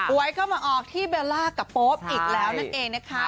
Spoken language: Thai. เข้ามาออกที่เบลล่ากับโป๊ปอีกแล้วนั่นเองนะคะ